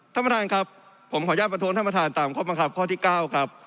ท่านประธานครับผมขออนุญาตประท้วงท่านประธานตามข้อบังคับข้อที่๙ครับ